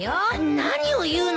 何を言うのさ！